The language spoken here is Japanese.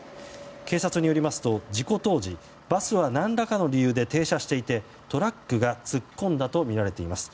警察によりますと事故当時バスは何らかの理由で停車していてトラックが突っ込んだとみられています。